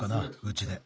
うちで。